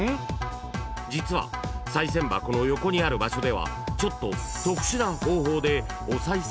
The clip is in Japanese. ［実はさい銭箱の横にある場所ではちょっと］